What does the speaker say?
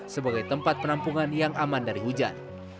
sebagai tempat penampungan yang aman dari hujan